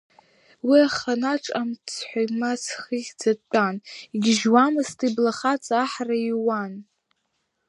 Уи аханаҿ амцҳәаҩ Мац хыхьӡа дтәан, игьежьуамызт иблахаҵ, аҳра иуан.